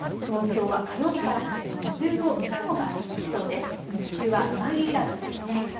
東京は火曜日から２０度以上が続きそうで日中は上着いらずですね。